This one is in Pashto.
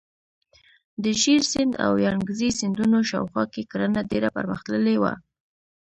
د ژیړ سیند او یانګزي سیندونو شاوخوا کې کرنه ډیره پرمختللې وه.